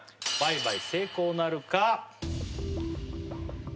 倍買成功なるか？